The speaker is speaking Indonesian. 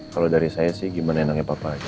kalau dari saya sih gimana yang nangis papa aja